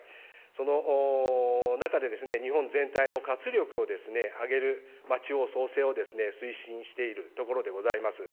その中で、日本全体の活力を上げる地方創生を推進しているところでございます。